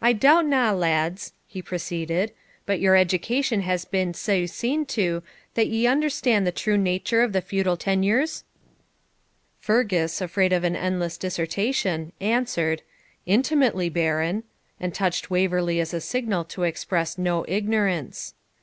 'I doubt na, lads,' he proceeded, 'but your education has been sae seen to that ye understand the true nature of the feudal tenures?' Fergus, afraid of an endless dissertation, answered, 'Intimately, Baron,' and touched Waverley as a signal to express no ignorance.